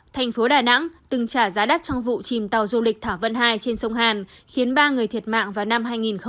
thành phố đà nẵng từng trả giá đắt trong vụ chìm tàu du lịch thả vân hai trên sông hàn khiến ba người thiệt mạng vào năm hai nghìn một mươi